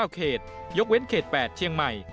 เขตยกเว้นเขต๘เชียงใหม่